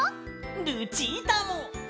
ルチータも！